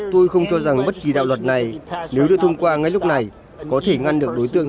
tôi không cho rằng bất kỳ đạo luật này nếu được thông qua ngay lúc này có thể ngăn được đối tượng